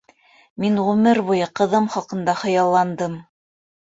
Мин ғүмер буйы ҡыҙым хаҡында хыялландым.